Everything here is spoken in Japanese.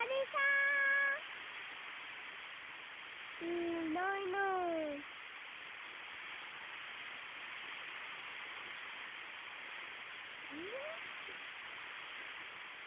うんいないな。え？